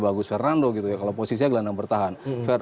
bagus fernando gitu ya kalau posisinya gelandang bertahan